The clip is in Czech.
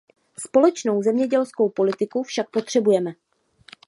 Společnou zemědělskou politiku však potřebujeme.